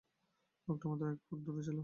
লোকটা মাত্র এক ফুট দূরে ছিল।